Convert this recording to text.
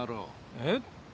えっ？